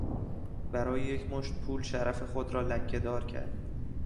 برای یک مشت پول شرف خود را لکهدار کرد.